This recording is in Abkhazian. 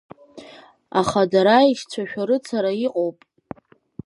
Аха дара аешьцәа шәарыцара иҟоуп.